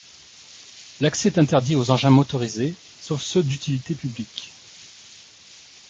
L’accès est interdit aux engins motorisés, sauf ceux d’utilité publique.